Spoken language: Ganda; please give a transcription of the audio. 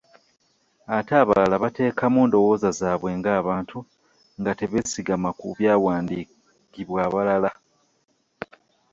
Ate abalala bateekamu ndowooza zaabwe ng’abantu nga tebeesigama ku byawandiikibwa balala.